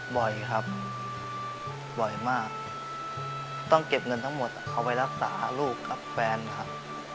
บ่อยครับบ่อยมากต้องเก็บเงินทั้งหมดเอาไปรักษาลูกกับแฟนครับ